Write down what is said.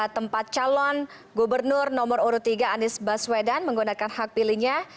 tempat calon gubernur nomor urut tiga anies baswedan menggunakan hak pilihnya